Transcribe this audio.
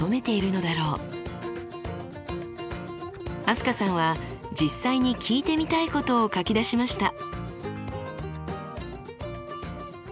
飛鳥さんは実際に聞いてみたいことを書き出しました。